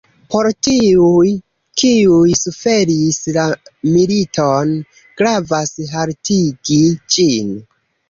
Por tiuj, kiuj suferis la militon, gravas haltigi ĝin.